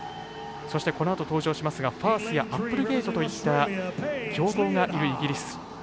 そして、このあと登場しますがファースやアップルゲイトといった強豪がいるイギリス。